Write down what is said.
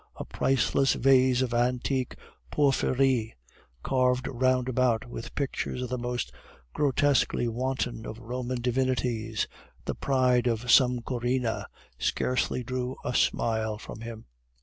A priceless vase of antique porphyry carved round about with pictures of the most grotesquely wanton of Roman divinities, the pride of some Corinna, scarcely drew a smile from him.